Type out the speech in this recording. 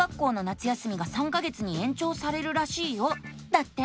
だって！